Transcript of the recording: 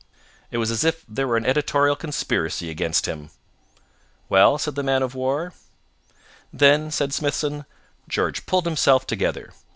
It was as if there were an editorial conspiracy against him." "Well?" said the man of war. "Then," said Smithson, "George pulled himself together.